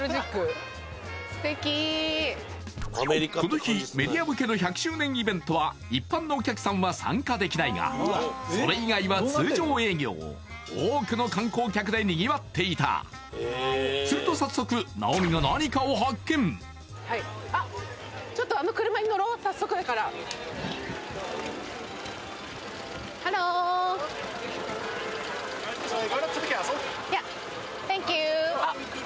この日メディア向けの１００周年イベントは一般のお客さんは参加できないがそれ以外は通常営業多くの観光客でにぎわっていたすると早速直美が早速だからＹｅａｈ，ｔｈａｎｋｙｏｕ．